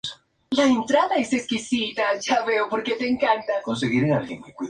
Otro elemento muy destacable es la puerta de acceso.